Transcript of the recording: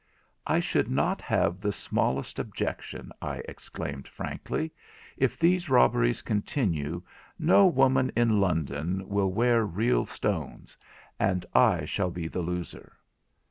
'I should not have the smallest objection,' I exclaimed frankly; 'if these robberies continue, no woman in London will wear real stones; and I shall be the loser.'